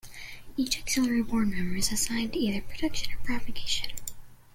Each Auxiliary Board Member is assigned to either protection or propagation.